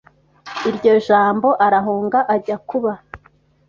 iryo jambo arahunga ajya kuba